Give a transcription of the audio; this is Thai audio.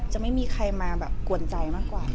จะไม่มีใครมาแบบกวนใจมากกว่า